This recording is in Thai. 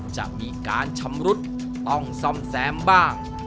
จะมีการชำรุดต้องซ่อมแซมบ้าง